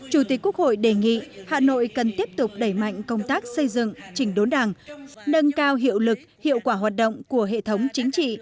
chủ tịch quốc hội đề nghị hà nội cần tiếp tục đẩy mạnh công tác xây dựng chỉnh đốn đảng nâng cao hiệu lực hiệu quả hoạt động của hệ thống chính trị